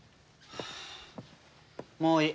もういい。